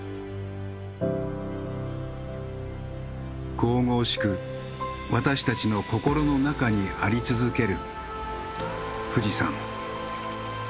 神々しく私たちの心の中にあり続ける富士山。